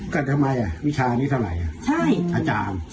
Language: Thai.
ก็ทำไมวิชานี้เท่าไหร่อาจารย์